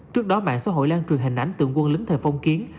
trước đó mạng xã hội lan truyền hình ảnh tượng quân lính thời phong kiến